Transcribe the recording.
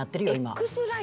今。